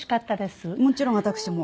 「もちろん私も」